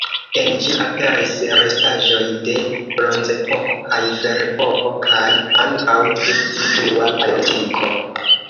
En ĝi aperis restaĵoj de Bronzepoko kaj Ferepoko, kaj ankaŭ de pli frua Paleolitiko.